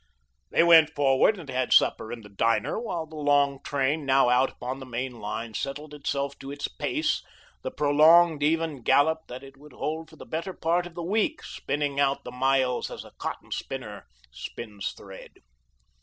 They went forward and had supper in the diner, while the long train, now out upon the main line, settled itself to its pace, the prolonged, even gallop that it would hold for the better part of the week, spinning out the miles as a cotton spinner spins thread.